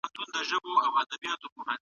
دښمن په ډېره لږه موده کې ماته وخوړه.